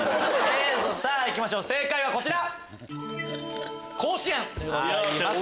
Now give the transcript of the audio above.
さぁいきましょう正解はこちら。